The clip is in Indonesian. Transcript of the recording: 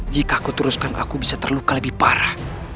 jika aku teruskan aku bisa terluka lebih parah